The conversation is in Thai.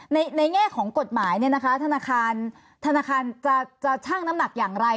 ในแง่ของกฎหมายธนาคารจะช่างน้ำหนักอย่างไร